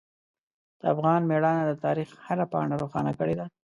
د افغان میړانه د تاریخ هره پاڼه روښانه کړې ده.